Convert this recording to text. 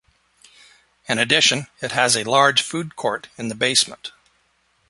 In addition, it has a large food court in the basement.